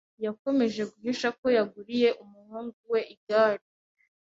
Yakomeje guhisha ko yaguriye umuhungu we igare.